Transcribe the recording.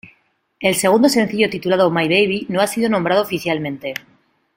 El segundo sencillo titulado My Baby, no ha sido nombrado oficialmente.